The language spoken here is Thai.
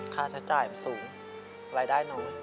ค่าใช้จ่ายมันสูงรายได้น้อย